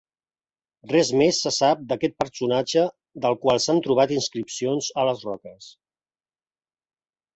Res més se sap d'aquest personatge del qual s'han trobat inscripcions a les roques.